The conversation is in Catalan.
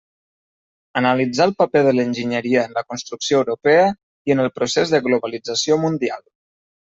Analitzar el paper de l'enginyeria en la construcció europea i en el procés de globalització mundial.